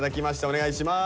お願いします。